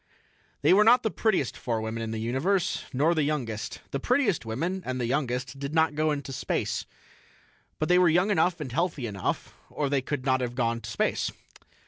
They were not the prettiest four women in the universe, nor the youngest. The prettiest women and the youngest did not go to space. But they were young enough and healthy enough, or they could not have gone to space.